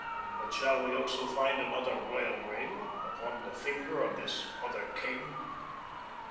But shall we also find another royal ring upon the finger of this other king?"